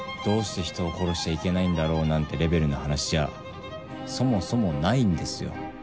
「どうして人を殺しちゃいけないんだろう」なんてレベルの話じゃそもそもないんですよ。